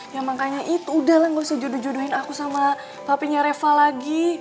ya makanya itu udah lah gak usah jodoh jodohin aku sama papanya reva lagi